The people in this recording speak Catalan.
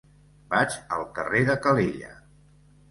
Vaig al carrer de Calella.